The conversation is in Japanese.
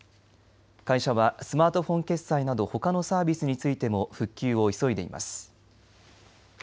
会社はスマートフォン決済などほかのサービスについても復旧を急いでいます。